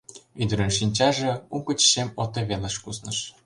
Ӱдырын шинчаже угыч шем ото велыш кусныш.